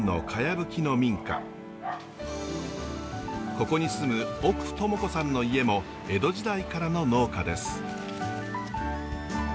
ここに住む奥朋子さんの家も江戸時代からの農家です。